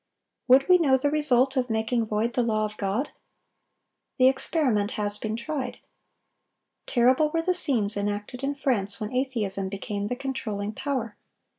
Would we know the result of making void the law of God? The experiment has been tried. Terrible were the scenes enacted in France when atheism became the controlling power.